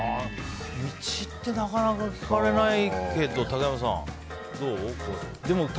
道ってなかなか聞かれないけど竹山さん、どう？